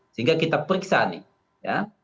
sehingga kita periksa nih